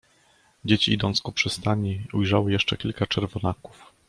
Dzieci idąc ku przystani ujrzały jeszcze kilka czerwonaków.